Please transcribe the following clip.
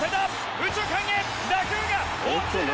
右中間へ打球が落ちる！